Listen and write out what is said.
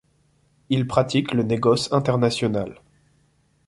Ils pratiquent le négoce international.